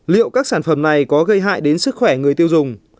liệu các sản phẩm này có gây hại đến sức khỏe người tiêu dùng